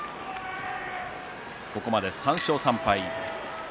ここまで３勝３敗。